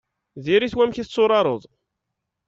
Diri-t wamek i tetturareḍ.